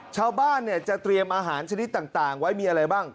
ชาวบ้านจะเตรียมอาหารชนิดต่างไว้มีอะไรบ้าง